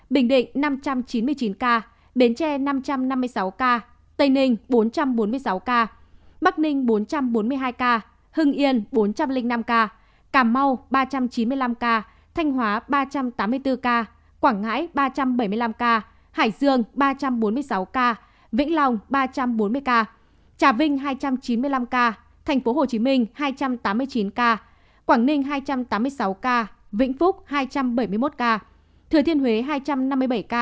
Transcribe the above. bình định năm trăm chín mươi chín ca bến tre năm trăm năm mươi sáu ca tây ninh bốn trăm bốn mươi sáu ca bắc ninh bốn trăm bốn mươi hai ca hưng yên bốn trăm linh năm ca cà mau ba trăm chín mươi năm ca thanh hóa ba trăm tám mươi bốn ca quảng ngãi ba trăm bảy mươi năm ca hải dương ba trăm bốn mươi sáu ca vĩnh lòng ba trăm bốn mươi ca trà vinh hai trăm chín mươi năm ca thành phố hồ chí minh hai trăm tám mươi chín ca quảng ninh hai trăm tám mươi sáu ca vĩnh phúc hai trăm bảy mươi một ca thừa thiên huế hai trăm năm mươi sáu ca